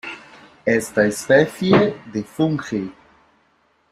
Esta especie de fungi.